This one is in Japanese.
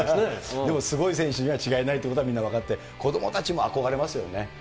でも、すごい選手には違いないということはみんな分かって、子どもたちも憧れますよね。